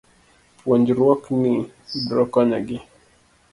Puonjruokni biro konyogi